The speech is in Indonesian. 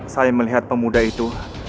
saya melihat pemuda itu